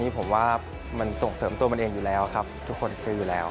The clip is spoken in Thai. ผมว่ามันส่งเสริมตัวมันเองอยู่แล้วครับทุกคนซื้ออยู่แล้ว